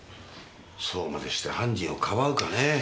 そうまでして犯人をかばうかねえ。